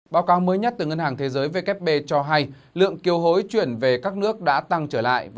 báo cáo mới nhất từ ngân hàng thế giới vkp cho hay lượng kiều hối chuyển về các nước đã tăng trở lại